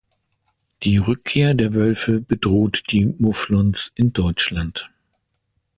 Die Rückkehr der Wölfe bedroht die Mufflons in Deutschland.